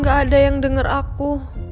gak ada yang denger aku